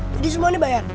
jadi semua ini bayar